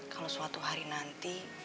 kalau suatu hari nanti